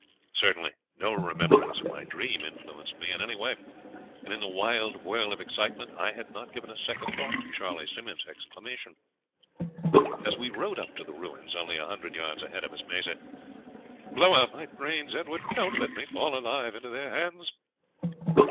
Certainly no remembrance of my dream influenced me in any way, and in the wild whirl of excitement I had not given a second thought to Charley Simmonds' exclamation. As we rode up to the ruins only a hundred yards ahead of us, May said: "'Blow out my brains, Edward; don't let me fall alive into their hands.'